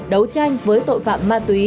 đấu tranh với tội phạm ma túy